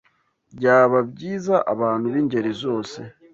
Byaba byiza abantu b’ingeri zose